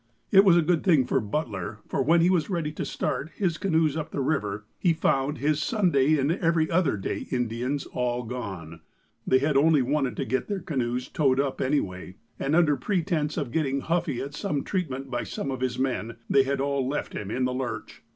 It was a good thing for Butler, for when he was ready to start his canoes up the river, he found his "Sunday and every other day " Indians all gone. They had only wanted to get their canoes towed up any way, and, under pretense of getting huffy at some treat ment by some of his men, they had all left him in the lurch.